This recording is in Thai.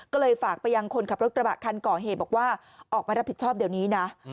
ก็เลยฝากไปยังคนขับรถกระบะคันก่อเหตุบอกว่าออกมารับผิดชอบเดี๋ยวนี้นะ